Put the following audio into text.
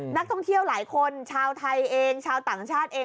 นักท่องเที่ยวหลายคนชาวไทยเองชาวต่างชาติเอง